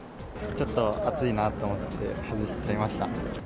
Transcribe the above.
ちょっと暑いなと思って、外しちゃいました。